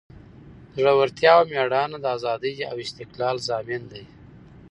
زړورتیا او میړانه د ازادۍ او استقلال ضامن دی.